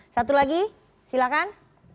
satu lagi silakan